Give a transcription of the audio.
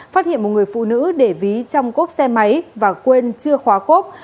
phát hiện một người phụ nữ để ví trong cốp xe máy và quên chưa khóa cốp